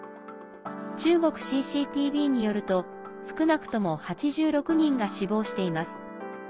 中国ＣＣＴＶによると少なくとも８６人が死亡しています。